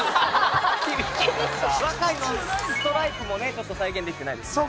若井のストライプもねちょっと再現できてないですね。